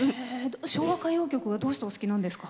昭和歌謡曲がどうしてお好きなんですか？